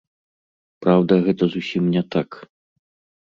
Праўда, гэта зусім не так.